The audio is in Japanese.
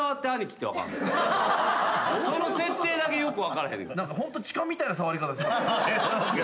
その設定だけよく分からへん。